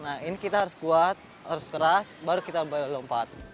nah ini kita harus kuat harus keras baru kita lompat